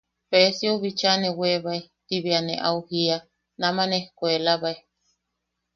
–Peesiou bicha ne weebae –ti bea ne au jiia –naman ejkuelabae.